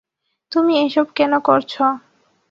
তুমি এসব কেন করছো?